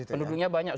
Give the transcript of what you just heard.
penduduknya banyak sih